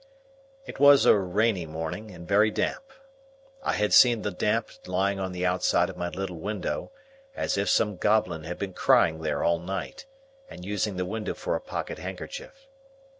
It was a rimy morning, and very damp. I had seen the damp lying on the outside of my little window, as if some goblin had been crying there all night, and using the window for a pocket handkerchief.